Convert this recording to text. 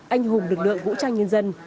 anh hùng lực lượng vũ trang nhân dân